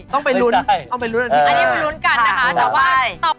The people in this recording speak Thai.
ต้องไปลุ้นลุ้นอันนี้ไปครับระวังอันนี้มองให้ลุ้นกันนะคะ